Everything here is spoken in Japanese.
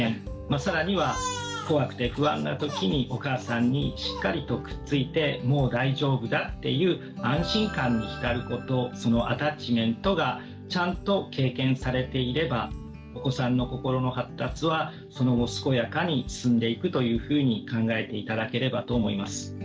更には怖くて不安な時にお母さんにしっかりとくっついてもう大丈夫だっていう安心感に浸ることそのアタッチメントがちゃんと経験されていればお子さんの心の発達はその後健やかに進んでいくというふうに考えて頂ければと思います。